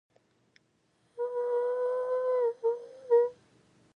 This was the cause of the institution, by Valeriano Weyler, of the reconcentration.